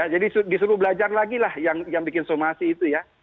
jadi disuruh belajar lagi lah yang bikin somasi itu ya